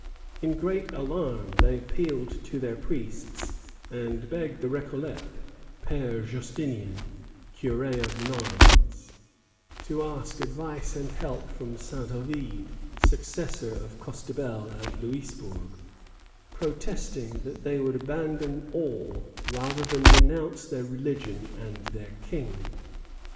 In great alarm, they appealed to their priests, and begged the Récollet, Père Justinien, curé of Mines, to ask advice and help from Saint Ovide, successor of Costebelle at Louisbourg, protesting that they would abandon all rather than renounce their religion and their King.